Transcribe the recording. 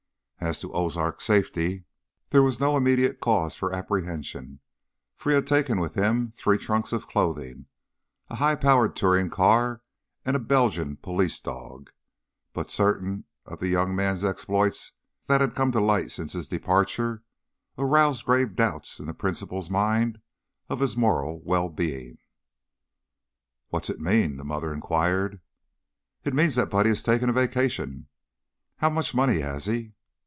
As to Ozark's safety, there was no immediate cause for apprehension, for he had taken with him three trunks of clothing, a high powered touring car, and a Belgian police dog; but certain of the young man's exploits that had come to light since his departure aroused grave doubts in the principal's mind of his moral well being. "What's it mean?" the mother inquired. "It means that Buddy has taken a vacation. How much money has he?"